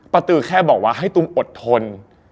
ตือแค่บอกว่าให้ตุ้มอดทน